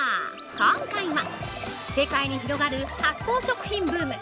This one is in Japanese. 今回は世界に広がる発酵食品ブーム！